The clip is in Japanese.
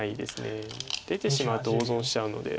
出てしまうと大損しちゃうので。